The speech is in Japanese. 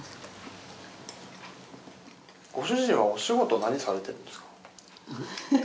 ご主人はお仕事は何されてるんですか？